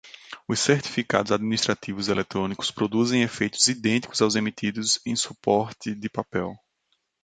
Os certificados administrativos eletrônicos produzem efeitos idênticos aos emitidos em suporte de papel.